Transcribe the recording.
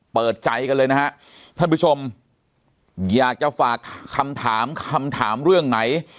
เปิดใจกันเลยนะฮะท่านผู้ชมอยากจะฝากคำถามคำถามเรื่องไหน